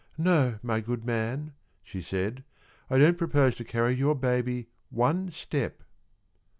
"No, my good man," she said; "I don't propose to carry your baby one step."